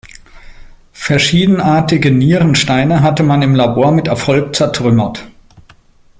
Verschiedenartige Nierensteine hatte man im Labor mit Erfolg zertrümmert.